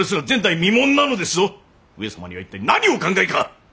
上様には一体何をお考えか！